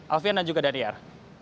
alfiana juga dhaniar